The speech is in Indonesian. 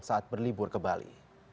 saat berlibur ke bali